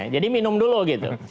jadi minum dulu gitu